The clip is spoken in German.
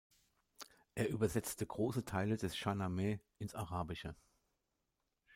Er übersetzte große Teile des Schāhnāme ins Arabische.